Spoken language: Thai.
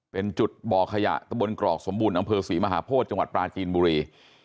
เป็นจุดบ่อขยะตะบนกรอกสมบูรณ์อำเภอศรีมหาโพธิจังหวัดปลาจีนบุรี